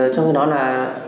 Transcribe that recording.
trong khi đó là